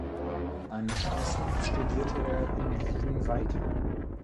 Anschließend studierte er in Wien weiter.